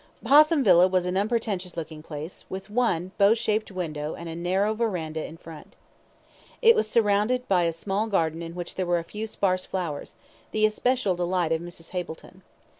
Possum Villa was an unpretentious looking place, with one bow window and a narrow verandah in front. It was surrounded by a small garden in which were a few sparse flowers the especial delight of Mrs. Hableton.